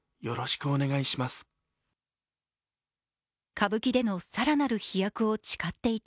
歌舞伎での更なる飛躍を誓っていた